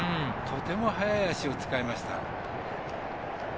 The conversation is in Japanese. とても速い脚を使いました。